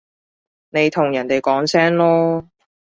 你同人哋講聲囉